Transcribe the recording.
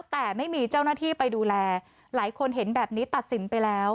แต่ไม่มีเจ้าหน้าที่ไปดูแลหลายคนเห็นแบบนี้ตัดสินไปแล้ว